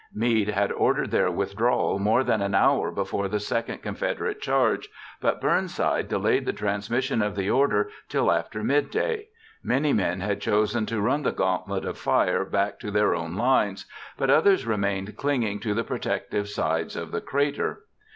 Meade had ordered their withdrawal more than an hour before the second Confederate charge, but Burnside delayed the transmission of the order till after midday. Many men had chosen to run the gantlet of fire back to their own lines, but others remained clinging to the protective sides of the crater.